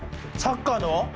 サッカーの？